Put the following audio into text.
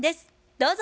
どうぞ。